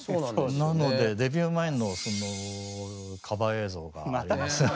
なのでデビュー前のカバー映像がありますので。